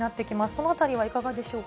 そのあたりはいかがでしょうか。